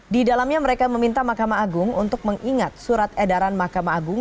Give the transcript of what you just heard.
di dalamnya mereka meminta mahkamah agung untuk mengingat surat edaran mahkamah agung